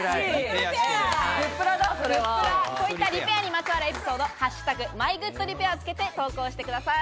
こういったリペアにまつわるエピソード「＃マイグッドリペア」をつけて投稿してください。